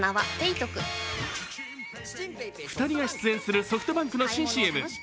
２人が出演するソフトバンクの新ＣＭ。